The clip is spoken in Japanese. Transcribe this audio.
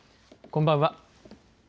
こんばんは。